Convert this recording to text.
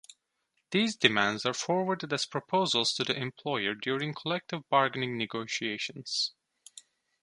These demands are forwarded as proposals to the employer during collective bargaining negotiations.